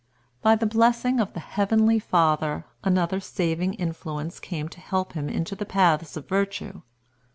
By the blessing of the Heavenly Father, another saving influence came to help him into the paths of virtue.